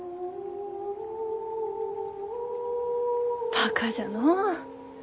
バカじゃのう。